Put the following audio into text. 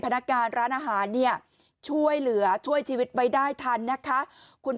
นักการร้านอาหารเนี่ยช่วยเหลือช่วยชีวิตไว้ได้ทันนะคะคุณ